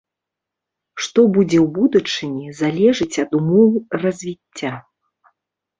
Што будзе ў будучыні, залежыць ад умоў развіцця.